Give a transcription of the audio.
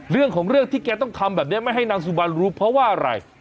เรื่องของเรื่องที่แกต้องทำแบบนี้ไม่ให้นางสุบันรู้เพราะว่าอะไร